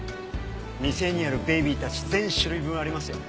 店にあるベイビーたち全種類分ありますよ。